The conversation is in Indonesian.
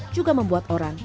juga membuat orang